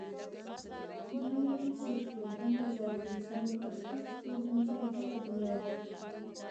دا نړۍ صرف یو دمه ځای دی زمونږ اصلي استوګنځای بله دنیا ده.